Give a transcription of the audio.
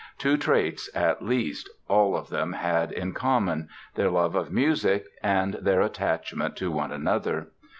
Two traits, at least, all of them had in common—their love of music and their attachment to one another.